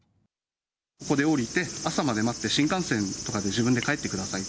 ここで降りて、朝まで待って、新幹線とかで自分で帰ってください。